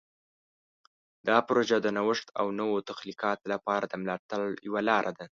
دا پروژه د نوښت او نوو تخلیقاتو لپاره د ملاتړ یوه لاره ده.